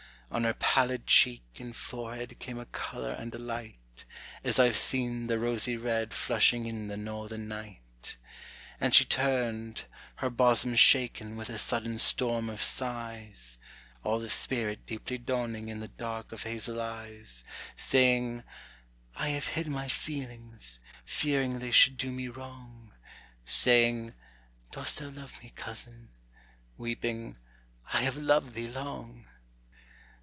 On her pallid cheek and forehead came a color and a light, As I have seen the rosy red flushing in the northern night. And she turned, her bosom shaken with a sudden storm of sighs; All the spirit deeply dawning in the dark of hazel eyes, Saying, "I have hid my feelings, fearing they should do me wrong;" Saying, "Dost thou love me, cousin?" weeping, "I have loved thee long."